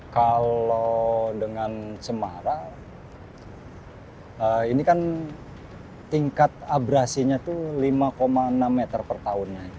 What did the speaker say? kalau dengan semarang ini kan tingkat abrasinya itu lima enam meter per tahunnya